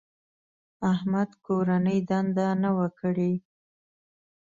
احمد کورنۍ دنده نه وه کړې.